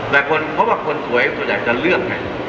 แต่คนเพราะว่าคนสวยส่วนใหญ่จะเลือกไง